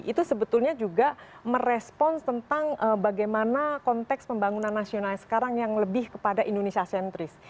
itu sebetulnya juga merespons tentang bagaimana konteks pembangunan nasional sekarang yang lebih kepada indonesia sentris